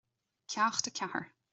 Ceacht a Ceathair